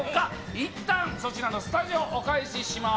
いったん、そちらのスタジオ、お返しします。